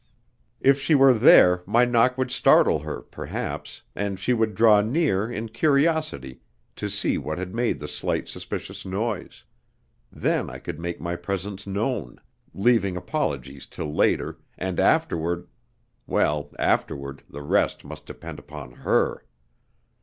If she were there my knock would startle her perhaps, and she would draw near in curiosity to see what had made the slight suspicious noise; then I could make my presence known, leaving apologies till later, and afterward well, afterward the rest must depend upon her.